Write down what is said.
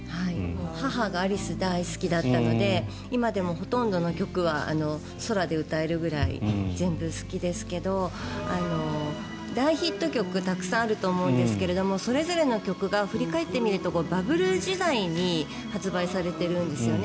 母がアリス、大好きだったので今でもほとんどの曲は空で歌えるぐらい全部好きですけど大ヒット曲たくさんあると思うんですけどもそれぞれの曲が振り返ってみるとバブル時代に発売されているんですよね。